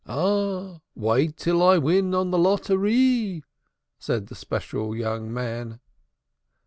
"Ah, wait till I win on the lottery," said the special young man.